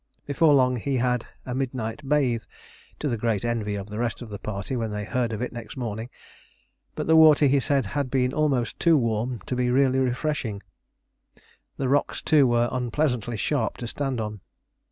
Before long he had a midnight bathe, to the great envy of the rest of the party when they heard of it next morning; but the water, he said, had been almost too warm to be really refreshing; the rocks, too, were unpleasantly sharp to stand on.